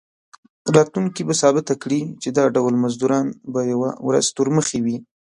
راتلونکي به ثابته کړي چې دا ډول مزدوران به یوه ورځ تورمخي وي.